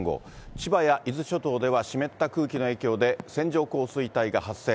千葉や伊豆諸島では湿った空気の影響で、線状降水帯が発生。